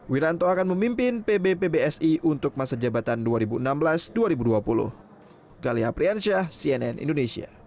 wiranto akan memimpin pb pbsi untuk masa jabatan dua ribu enam belas dua ribu dua puluh